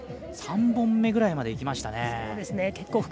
３本目くらいまでいきましたね。